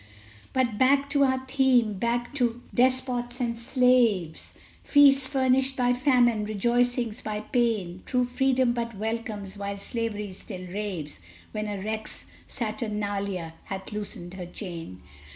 But back to our theme! Back to despots and slaves! Feasts furnished by Famine! rejoicings by Pain! True Freedom but welcomes, while slavery still raves, When a week's Saturnalia hath loosened her chain.